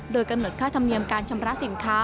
โดยกำหนดค่าธรรมเนียมการชำระสินค้า